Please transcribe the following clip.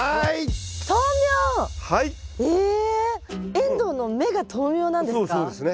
エンドウの芽が豆苗なんですか？